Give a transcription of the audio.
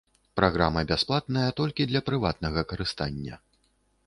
Праграма бясплатная толькі для прыватнага карыстання.